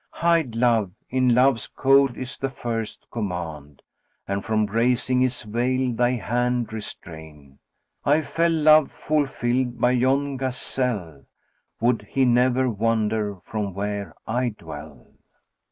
'Hide Love!' in Love's code is the first command; * And from raising his veil thy hand restrain: I fell love fulfilled by yon gazelle: * Would he never wander from where I dwell!"